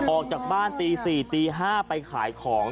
ออกจากบ้านตี๔ตี๕ไปขายของ